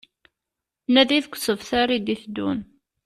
Nadi deg usebter d-iteddun